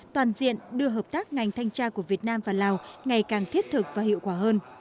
toàn diện đưa hợp tác ngành thanh tra của việt nam và lào ngày càng thiết thực và hiệu quả hơn